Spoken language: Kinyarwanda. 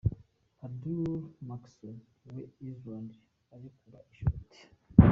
Hordur Magnusson wa Iceland arekura ishoti.